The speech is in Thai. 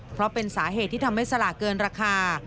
เพราะเป็นสาเหตุที่ทำให้สลากเกินราคา